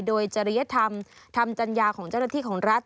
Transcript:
โดยจริยธรรมทำจัญญาของเจ้าหน้าที่ของรัฐ